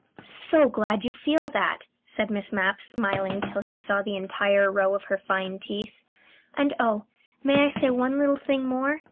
"So glad you feel that," said Miss Mapp, smiling till he saw the entire row of her fine teeth. "And oh, may I say one little thing more?